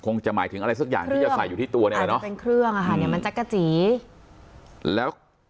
คงจะหมายถึงอะไรสักอย่างที่จะใส่อยู่ที่ตัวเนี่ยนะ